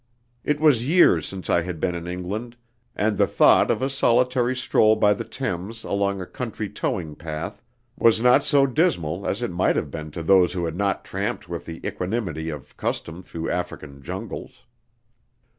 It was years since I had been in England, and the thought of a solitary stroll by the Thames along a country towing path was not so dismal as it might have been to those who had not tramped with the equanimity of custom through African jungles.